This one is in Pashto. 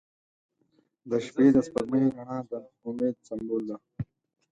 • د شپې د سپوږمۍ رڼا د امید سمبول دی.